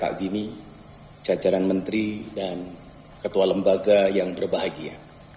pak gini jajaran menteri dan ketua lembaga yang berbahagia